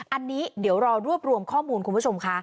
อันนี้เดี๋ยวรอรวบรวมข้อมูลคุณผู้ชมค่ะ